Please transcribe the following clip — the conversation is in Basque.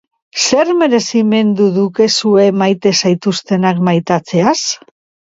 Zer merezimendu dukezue maite zaituztenak maitatzeaz?